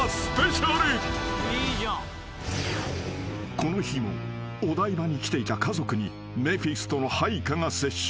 ［この日もお台場に来ていた家族にメフィストの配下が接触］